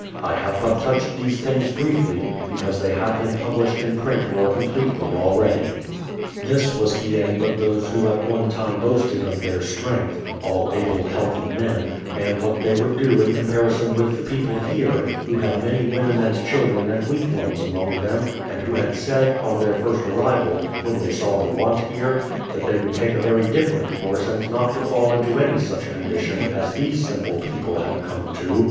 I have but touched these things briefly because they have been published in print more completely already. This was the end of those who at one time boasted of their strength, — all able, healthy men, — and what they would do in comparison with the people here, who had many women and children and weak ones among them and who had said, on their first arrival, when they saw the want here, that they would take a very different course and not to fall into any such condition as these simple people had come to.